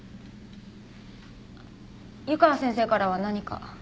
湯川先生からは何か？